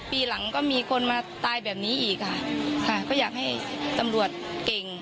ปีหลังก็มีคนมาตายแบบนี้อีกค่ะค่ะก็อยากให้ตำรวจเก่ง